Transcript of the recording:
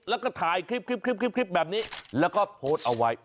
แล้วก็ถ่ายคลิปคลิปแบบนี้แล้วก็โพสต์เอาไว้